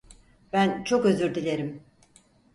Ben çok özür dilerim.